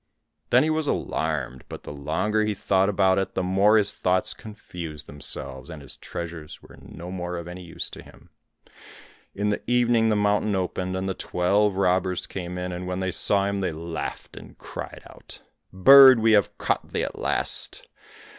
Then he was alarmed, but the longer he thought about it the more his thoughts confused themselves, and his treasures were no more of any use to him. In the evening the mountain opened, and the twelve robbers came in, and when they saw him they laughed, and cried out, "Bird, have we caught thee at last!